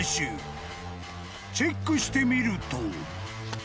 ［チェックしてみると］